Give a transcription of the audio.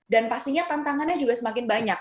pastinya tantangannya juga semakin banyak